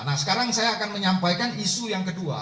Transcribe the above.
nah sekarang saya akan menyampaikan isu yang kedua